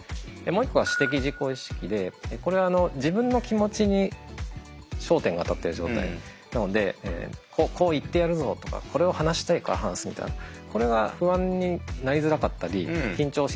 もう一個は私的自己意識でこれは自分の気持ちに焦点が当たってる状態なのでこう言ってやるぞとかこれを話したいから話すみたいなこれは不安になりづらかったり緊張しづらいってことが分かっています。